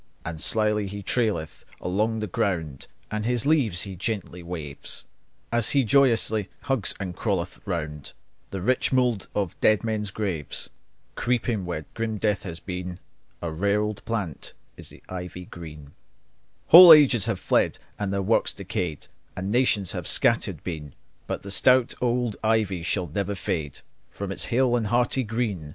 And slyly he traileth along the ground, And his leaves he gently waves, And he joyously twines and hugs around The rich mould of dead men's graves. Creeping where no life is seen, A rare old plant is the ivy green. Whole ages have fled, and their works decayed, And nations have scattered been; But the stout old ivy shall never fade From its hale and hearty green.